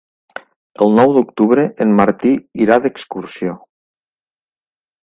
El nou d'octubre en Martí irà d'excursió.